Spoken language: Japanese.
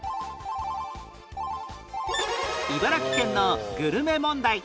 茨城県のグルメ問題